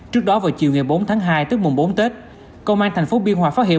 trước đó vào chiều ngày bốn tháng hai tức mùa bốn tết công an thành phố biên hòa phát hiện